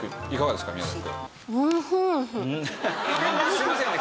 すいませんね